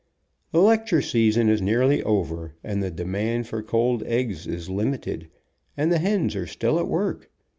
The lecture season is nearly over, and the de mand for cold eggs is limited, and the hens are still at work.